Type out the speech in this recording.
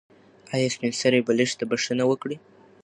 ایا سپین سرې به لښتې ته بښنه وکړي؟